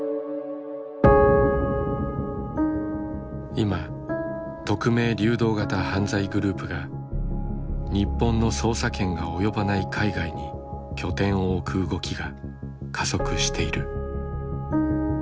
今匿名・流動型犯罪グループが日本の捜査権が及ばない海外に拠点を置く動きが加速している。